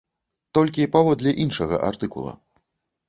Толькі паводле іншага артыкула.